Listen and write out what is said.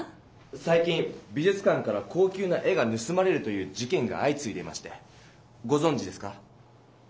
さい近美じゅつ館から高級な絵がぬすまれるという事件があいついでましてごぞんじですか？